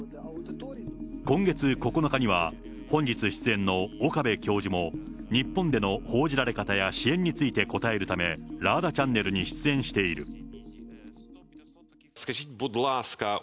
今月９日には、本日出演の岡部教授も、日本での報じられ方や支援について答えるため、ラーダチャンネルに出演している。